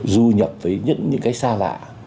du nhập với những cái xa lạ